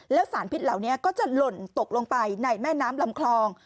แล้วสารพิษเหล่านี้ก็จะหล่นตกลงไปในแม่น้ำลำคลอง